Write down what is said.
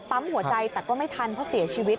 ปั๊มหัวใจแต่ก็ไม่ทันเพราะเสียชีวิต